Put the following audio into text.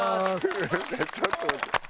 ちょっと待って。